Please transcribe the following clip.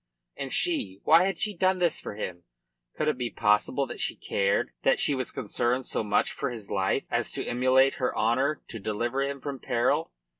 And she, why had she done this for him? Could it be possible that she cared, that she was concerned so much for his life as to immolate her honour to deliver him from peril?